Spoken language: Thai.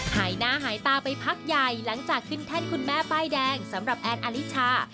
หายหน้าหายตาไปพักใหญ่หลังจากขึ้นแท่นคุณแม่ป้ายแดงสำหรับแอนอลิชา